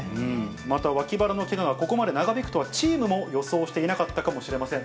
また脇腹のけががここまで長引くとは、チームも予想していなかったかもしれません。